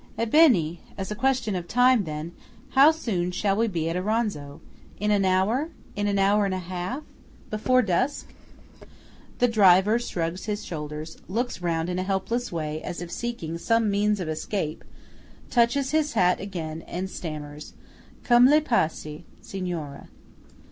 "Ebbene!–as a question of time, then:–how soon shall we be at Auronzo? In an hour? In an hour and a half? Before dusk?" The driver shrugs his shoulders; looks round in a helpless way, as if seeking some means of escape; touches his hat again, and stammers:– "Come lei piace, Signora!"